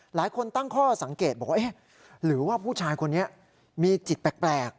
หลายคนตั้งข้อสังเกตบอกว่าเอ๊ะหรือว่าผู้ชายคนนี้มีจิตแปลก